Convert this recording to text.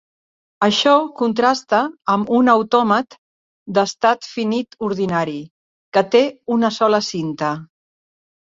Això contrasta amb un autòmat d'estat finit ordinari, que té una sola cinta.